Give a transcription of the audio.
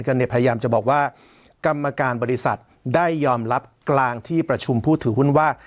พยายามจะบอกว่ากรรมการบริษัทได้ยอมรับกลางที่ประชุมผู้ถือหุ้นว่า